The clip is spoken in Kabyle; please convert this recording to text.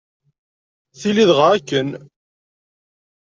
Tili dɣa akken!